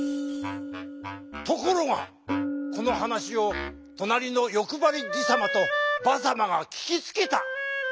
ところがこのはなしをとなりのよくばりじさまとばさまがききつけた。